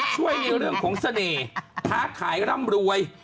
ในเรื่องของเสน่ห์ค้าขายร่ำรวย